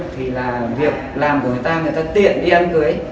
thì là việc làm của người ta người ta tiện đi ăn cưới